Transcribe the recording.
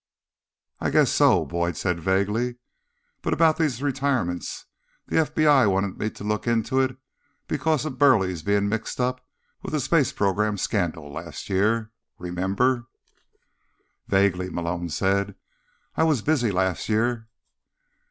"I guess so," Boyd said vaguely. "But about these retirements—the FBI wanted me to look into it because of Burley's being mixed up with the space program scandal last year. Remember?" "Vaguely," Malone said. "I was busy last year."